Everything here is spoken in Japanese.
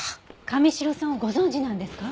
神城さんをご存じなんですか？